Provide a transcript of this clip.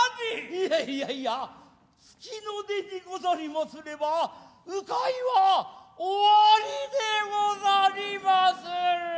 いやいやいや月の出でござりますれば鵜飼は鬼でござりまする。